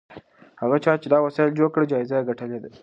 هغه چا چې دا وسایل جوړ کړي جایزه یې ګټلې ده.